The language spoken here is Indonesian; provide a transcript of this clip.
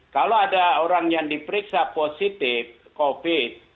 kalau ada orang yang diperiksa positif covid